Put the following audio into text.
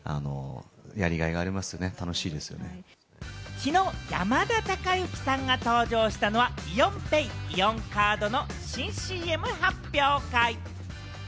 きのう山田孝之さんが登場したのはイオンＰａｙ・イオンカードの新ＣＭ発表会。